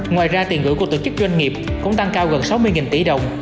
ngoài ra tiền gửi của tổ chức doanh nghiệp cũng tăng cao gần sáu mươi tỷ đồng